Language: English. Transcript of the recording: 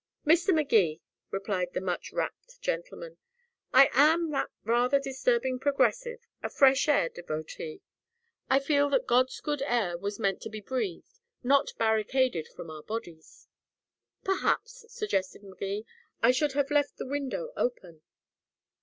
"Mr. Magee," replied the much wrapped gentleman, "I am that rather disturbing progressive a fresh air devotee. I feel that God's good air was meant to be breathed, not barricaded from our bodies." "Perhaps," suggested Magee, "I should have left the window open?"